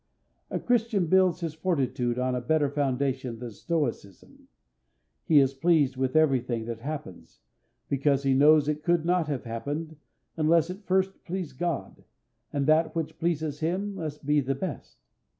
A Christian builds his fortitude on a better foundation than stoicism. He is pleased with every thing that happens, because he knows it could not have happened unless it first pleased God, and that which pleases him must be the best.